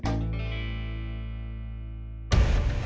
kita ke rumah